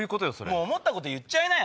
もう思ったこと言っちゃいなよ。